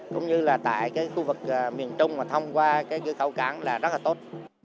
cũng như là tại khu vực miền trung mà thông qua khẩu cảng là rất là tốt